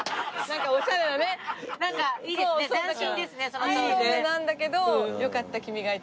アイドルなんだけど「よかった、君がいて」。